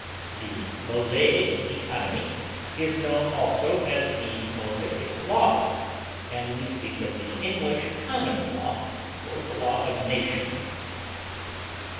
The Mosaic economy is known also as the Mosaic law, and we speak of the English common law, or the law of nations.